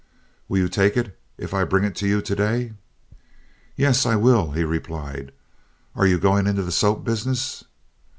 "Will you take it if I bring it to you to day?" "Yes, I will," he replied. "Are you going into the soap business?"